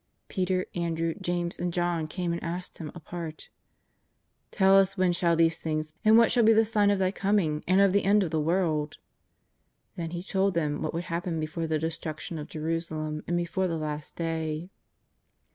Peter, Andrew, James, and John came and asked Him apart :^' Tell us when shall these things be, and what shall be the sign of Thy coming and of the end of the world V Then He told them what would happen before the destruction of Jerusalem and before the Last Day.